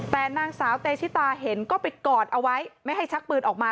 แต่นางสาวเตชิตาเห็นก็ไปกอดเอาไว้ไม่ให้ชักปืนออกมา